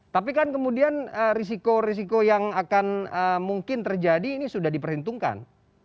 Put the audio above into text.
tapi kan kemudian risiko risiko yang akan mungkin terjadi ini sudah diperhitungkan